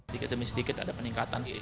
sedikit demi sedikit ada peningkatan sih